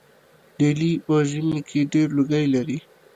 ډیلي په ژمي کې ډیر لوګی لري.